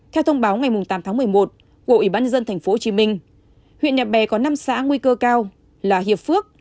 theo thông báo ngày tám tháng một mươi một của ủy ban nhân dân tp hcm huyện nhà bè có năm xã nguy cơ cao là hiệp phước